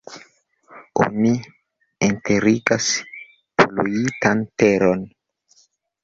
Oni enterigas poluitan teron.